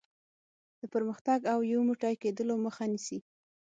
د پرمختګ او یو موټی کېدلو مخه نیسي.